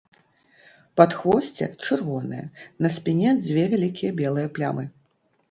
Падхвосце чырвонае, на спіне дзве вялікія белыя плямы.